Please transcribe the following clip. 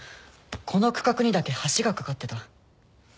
この区画にだけ橋が架かってた。